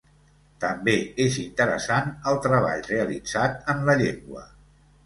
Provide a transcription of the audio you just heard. També és interessant el treball realitzat en la llengua.